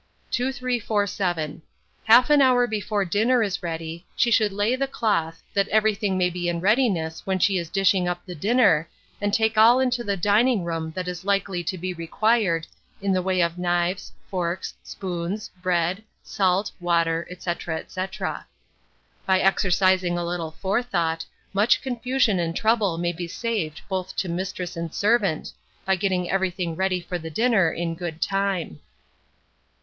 2347. Half an hour before dinner is ready, she should lay the cloth, that everything may be in readiness when she is dishing up the dinner, and take all into the dining room that is likely to be required, in the way of knives, forks, spoons, bread, salt, water, &c. &c. By exercising a little forethought, much confusion and trouble may be saved both to mistress and servant, by getting everything ready for the dinner in good time.